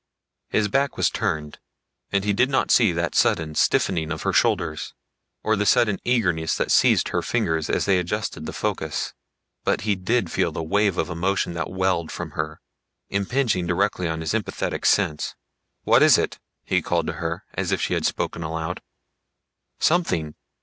His back was turned and he did not see that sudden stiffening of her shoulders, or the sudden eagerness that seized her fingers as they adjusted the focus. But he did feel the wave of emotion that welled from her, impinging directly on his empathetic sense. "What is it?" he called to her, as if she had spoken aloud. "Something